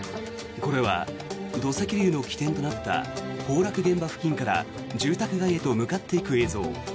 これは土石流の起点となった崩落現場付近から住宅街へと向かっていく映像。